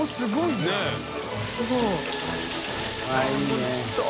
おいしそう。